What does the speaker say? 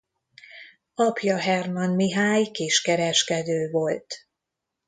Apja Hermann Mihály kiskereskedő volt.